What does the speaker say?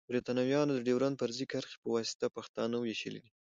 بريتانويانو د ډيورنډ فرضي کرښي پواسطه پښتانه ويشلی دی.